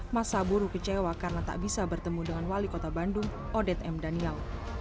masa buruh kecewa karena tak bisa bertemu dengan wali kota bandung odet m daniel